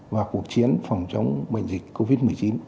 và cuộc chiến phòng chống bệnh dịch covid một mươi chín